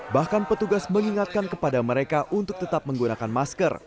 bahkan petugas mengingatkan kepada mereka untuk tetap menggunakan masker